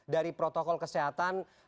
dari protokol kesehatan